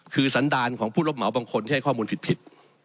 คือสันดารของผู้รับเหมาบางคนที่ให้ข้อมูลผิด